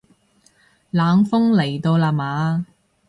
冷鋒嚟到啦嘛